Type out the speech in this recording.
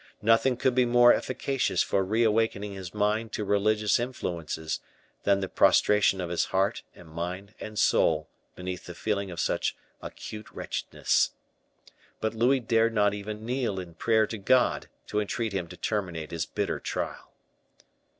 Nothing could be more efficacious for reawakening his mind to religious influences than the prostration of his heart and mind and soul beneath the feeling of such acute wretchedness. But Louis dared not even kneel in prayer to God to entreat him to terminate his bitter trial.